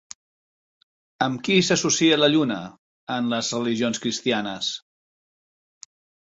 Amb qui s'associa la Lluna en les religions cristianes?